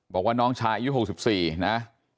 บอกว่าน้องชายอายุหกสิบสี่นะ